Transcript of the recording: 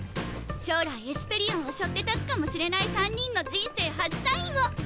将来エスペリオンをしょって立つかもしれない３人の人生初サインを！